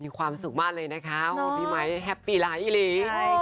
มีความสุขมากเลยนะคะพี่ไมค์แฮปปี้หลายอีหลี